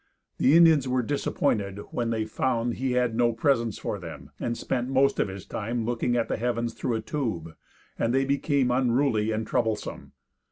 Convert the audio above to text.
The Indians were disappointed when they found he had no presents for them and spent most of his time looking at the heavens through a tube, and they became unruly and troublesome.